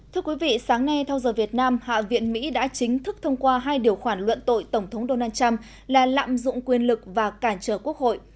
thưa quý vị sáng nay theo giờ việt nam hạ viện mỹ đã chính thức thông qua hai điều khoản luận tội tổng thống donald trump là lạm dụng quyền lực và cản trở quốc hội